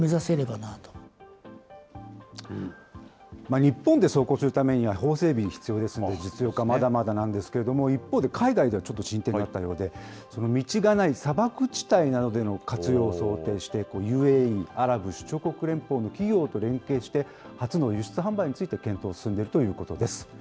日本で走行するためには法整備が必要ですので、実用化、まだまだなんですけれども、一方で海外ではちょっと進展があったようで、道がない砂漠地帯などでの活用を想定して、ＵＡＥ・アラブ首長国連邦の企業と連携して、初の輸出販売について、検討が進んでいるということです。